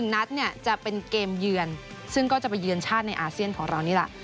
นัดเนี่ยจะเป็นเกมเยือนซึ่งก็จะไปเยือนชาติในอาเซียนของเรานี่แหละ